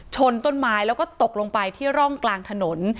ชนต้นไม้แล้วก็ตกลงไปที่ร่องกลางถนน